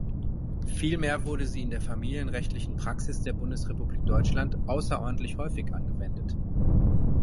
Vielmehr wurde sie in der familienrechtlichen Praxis der Bundesrepublik Deutschland außerordentlich häufig angewendet.